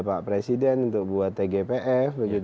pak presiden untuk buat tgpf